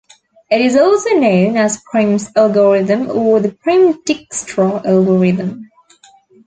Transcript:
It is also known as Prim's algorithm or the Prim-Dikstra algorithm.